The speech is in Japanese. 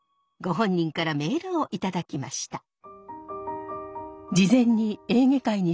ご本人からメールを頂きました。